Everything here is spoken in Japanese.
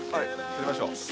撮りましょう。